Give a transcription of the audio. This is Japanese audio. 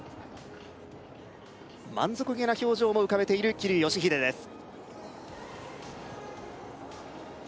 満足げな表情も浮かべている桐生祥秀です